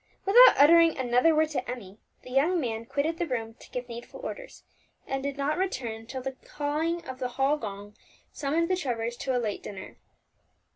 Without uttering another word to Emmie, the young man quitted the room to give needful orders, and did not return till the clang of the hall gong summoned the Trevors to a late dinner.